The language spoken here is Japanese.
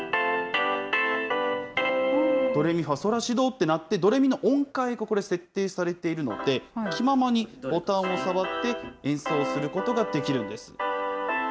ドレミファソラシドと鳴って、ドレミの音階がこれ、設定されているので、気ままにボタンを触って、演奏することができるんです。